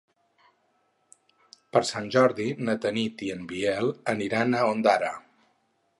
Per Sant Jordi na Tanit i en Biel aniran a Ondara.